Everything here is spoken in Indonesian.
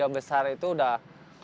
besar itu udah